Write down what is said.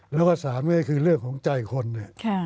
แล้วก็สามก็คือเรื่องของใจคนเนี่ย